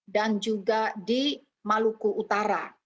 dan juga di maluku utara